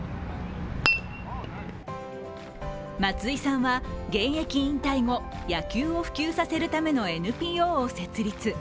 松井さんは現役引退後、野球を普及させるためのＮＰＯを設立。